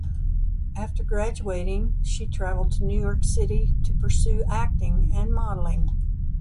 After graduating, she traveled to New York City to pursue acting and modeling.